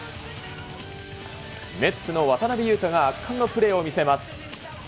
ネッツの渡邊雄太が圧巻のプレーを見せます。